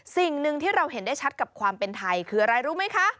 สิ่งหนึ่งที่เราเห็นได้ชัดกับความเป็นไทยคืออะไรรู้ไหมคะ